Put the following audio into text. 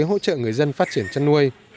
hỗ trợ người dân phát triển chăn nuôi